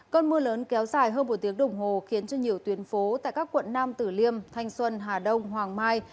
cơn mưa lớn kéo dài hơn một tiếng đồng hồ khiến cho nhiều tuyến phố tại các quận nam tử liêm thanh xuân hà đông hoàng mai